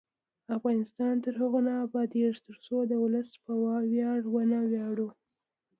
افغانستان تر هغو نه ابادیږي، ترڅو د ولس په ویاړ ونه ویاړو.